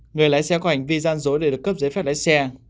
người lái xe có hành vi gian dối để được cấp giấy phép lái xe